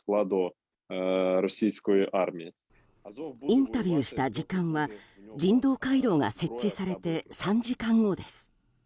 インタビューした時間は人道回廊が設置されて３時間後です。